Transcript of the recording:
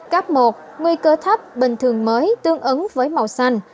cấp một nguy cơ thấp bình thường mới tương ứng với màu xanh